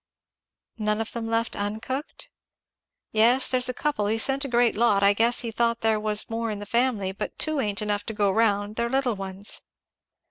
"None of them left uncooked?" "Yes, there's a couple he sent a great lot I guess he thought there was more in the family but two ain't enough to go round; they're little ones."